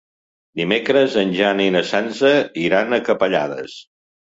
Dimecres en Jan i na Sança iran a Capellades.